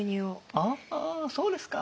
ああそうですか。